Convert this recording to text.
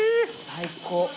最高。